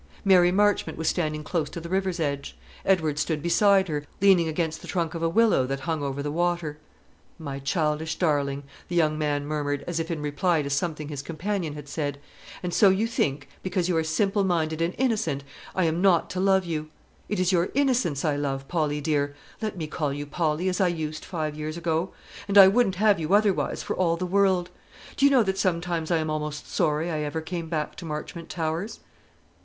Mary Marchmont was standing close to the river's edge; Edward stood beside her, leaning against the trunk of a willow that hung over the water. "My childish darling," the young man murmured, as if in reply to something his companion had said, "and so you think, because you are simple minded and innocent, I am not to love you. It is your innocence I love, Polly dear, let me call you Polly, as I used five years ago, and I wouldn't have you otherwise for all the world. Do you know that sometimes I am almost sorry I ever came back to Marchmont Towers?"